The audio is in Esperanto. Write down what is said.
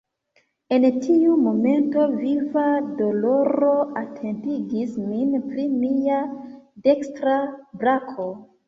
En tiu momento, viva doloro atentigis min pri mia dekstra brako.